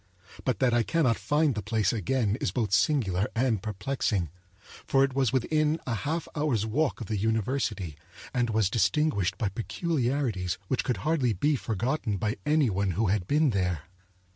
But that I cannot find the place again is both singular and perplexing; for it was within a half hour's walk of the university and was distinguished by peculiarities which could hardly be forgotten by any one who had been there.